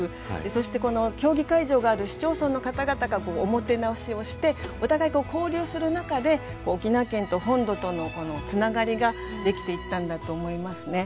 そして競技会場がある市町村の方々がおもてなしをしてお互い交流する中で沖縄県と本土とのつながりができていったんだと思いますね。